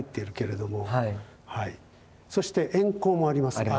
そして円光もありますね。